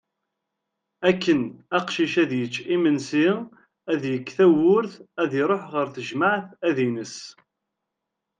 Akken, aqcic ad yečč imensi, ad yekk tawwurt ad iruḥ ɣer tejmeɛt ad ines.